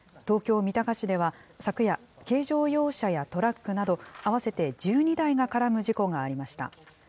東京・三鷹市では、昨夜、軽乗用車やトラックなど、合わせて１２台が絡む事故がありました。